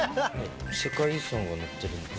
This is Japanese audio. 世界遺産が載ってるんです。